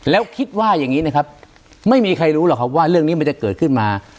แล้วคิดว่าอย่างนี้นะครับไม่มีใครรู้หรอกครับว่าเรื่องนี้มันจะเกิดขึ้นมา